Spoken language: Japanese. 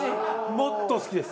もっと好きです。